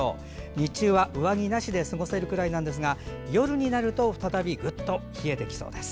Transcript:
日中は、上着なしで過ごせるくらいですが夜は再びぐっと冷えそうです。